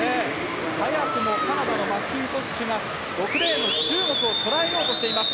早くもカナダのマッキントッシュが６レーンの中国を捉えようとしています。